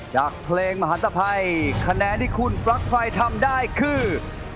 จากเพลงมหันตภัยคะแนนที่คุณปลั๊กไฟทำได้คือ